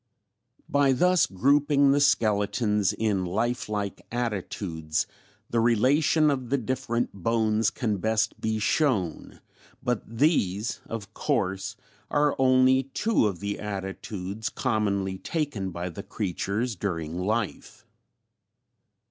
] "By thus grouping the skeletons in lifelike attitudes, the relation of the different bones can best be shown, but these of course are only two of the attitudes commonly taken by the creatures during life.